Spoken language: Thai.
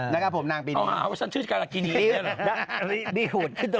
นะครับผมนางปีนี้ต้องหาเขาจะชื่นแบบนี้หรอ